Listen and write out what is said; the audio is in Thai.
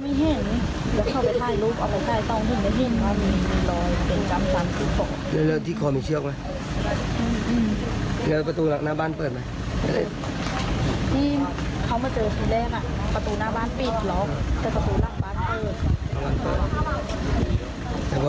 มันมีตัวเล็กแน่นไปเกิดเครียด